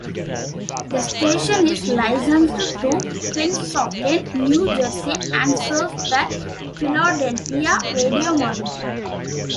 The station is licensed to Pennsauken, New Jersey and serves the Philadelphia radio market.